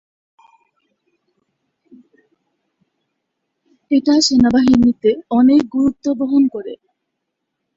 এটি সেনাবাহিনীতে অনেক গুরুত্ব বহন করে।